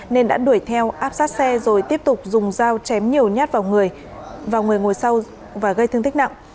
nên đã đuổi theo áp sát xe rồi tiếp tục dùng dao chém nhiều nhát vào người vào người ngồi sau và gây thương tích nặng